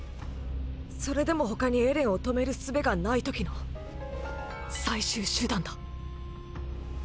それでも他にエレンを止める術が無い時の最終手段だ。